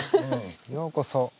ようこそ。